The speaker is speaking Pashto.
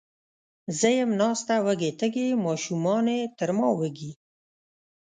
زه یم ناسته وږې، تږې، ماشومانې تر ما وږي